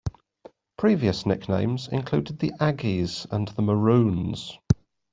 Previous nicknames included the Aggies and the Maroons.